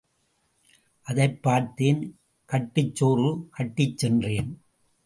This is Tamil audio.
அதைப் பார்த்தேன் கட்டுச் சோறு கட்டிச் சென்றேன்.